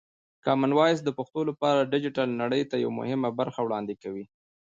کامن وایس د پښتو لپاره د ډیجیټل نړۍ ته یوه مهمه برخه وړاندې کوي.